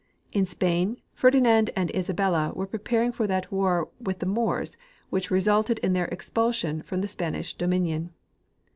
In Spain, Ferdinand and Isabella Avere preparing for that Avar Avith the Moors Avhich resulted in their expulsion from the Sjian ish dominion.